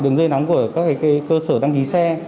đường dây nóng của các cơ sở đăng ký xe